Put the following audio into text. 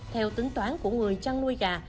theo tính toán của người trang nuôi gà